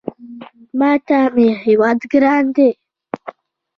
ماته مې هېواد ګران دی